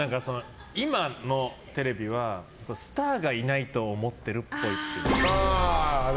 今のテレビはスターがいないと思ってるっぽい。